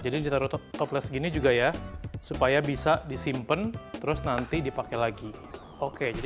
jadi kita toples gini juga ya supaya bisa disimpen terus nanti dipakai lagi oke jadi